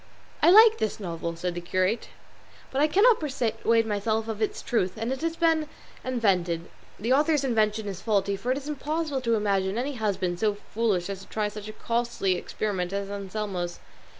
"I like this novel," said the curate; "but I cannot persuade myself of its truth; and if it has been invented, the author's invention is faulty, for it is impossible to imagine any husband so foolish as to try such a costly experiment as Anselmo's.